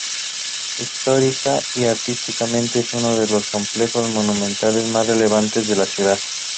Histórica y artísticamente es uno de los complejos monumentales más relevantes de la ciudad.